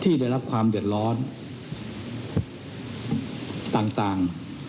ที่ได้รับความเดี๋ยวร้อนต่างต่าง